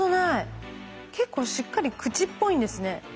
結構しっかり口っぽいんですね。